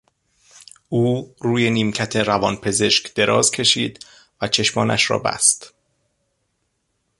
او روی نیمکت روانپزشک دراز کشید و چشمانش را بست.